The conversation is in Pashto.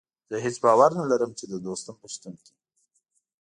زه هېڅ باور نه لرم چې د دوستم په شتون کې.